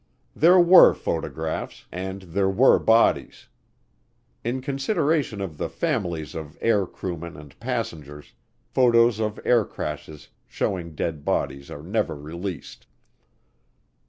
There were photographs and there were bodies. In consideration of the families of air crewmen and passengers, photos of air crashes showing dead bodies are never released.